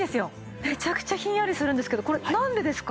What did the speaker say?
めちゃくちゃひんやりするんですけどこれなんでですか？